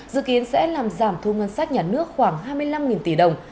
dự kiến sẽ làm giảm thu ngân sách nhà nước khoảng hai mươi năm tỷ đồng